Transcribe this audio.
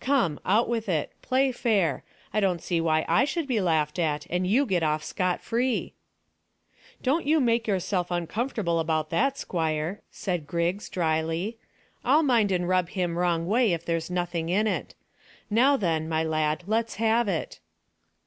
"Come, out with it. Play fair. I don't see why I should be laughed at, and you get off scot free." "Don't you make yourself uncomfortable about that, squire," said Griggs dryly. "I'll mind and rub him wrong way if there's nothing in it. Now then, my lad, let's have it."